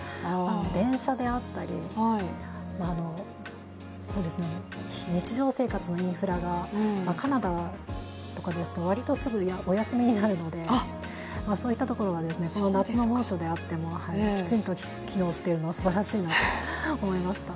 電車であったり、日常生活のインフラが、カナダとかですと、わりとすぐお休みになるのでそういったところが夏の猛暑であってもきちんと機能しているのはすばらしいなと思いました。